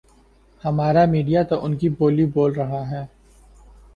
ہمارا میڈیا تو انکی بولی بول رہا ۔